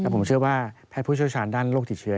ผมเชื่อว่าแพทย์ผู้เชี่ยวชาญด้านโรคติดเชื้อ